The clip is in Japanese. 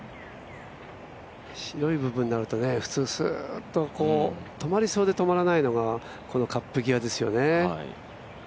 白い部分になると、普通スーッと止まりそうで止まらないのがこのカップ際ですよね。